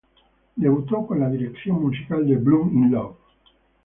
Debutó con la dirección musical de "Blum in Love".